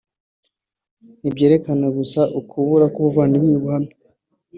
ntibyerekana gusa ukubura k’ubuvandimwe buhamye